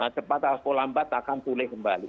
cepat atau lambat akan pulih kembali